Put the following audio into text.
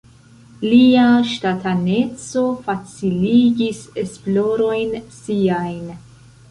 Lia ŝtataneco faciligis esplorojn siajn.